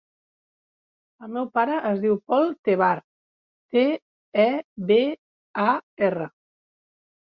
El meu pare es diu Pol Tebar: te, e, be, a, erra.